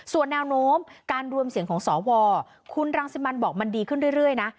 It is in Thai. ส่วนแนวโน้มการรวมเสียงของสวคุณรังสิมันบอกมันดีขึ้นเรื่อยนะ